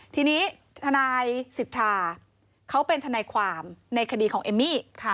ทีนี้ทนายสิทธาเขาเป็นทนายความในคดีของเอมมี่